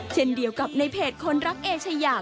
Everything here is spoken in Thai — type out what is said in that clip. เช่นเดียวกับในเพจคนรักเอชายา